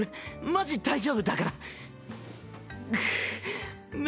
マジ大丈夫だから。